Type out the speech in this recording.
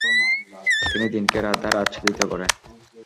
তিনি দিনকে রাত দ্বারা আচ্ছাদিত করেন।